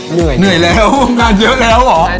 เหนื่อยแล้วงานเยอะแล้วหรอ